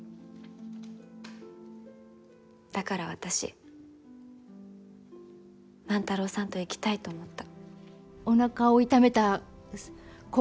だから、私万太郎さんと生きたいと思った。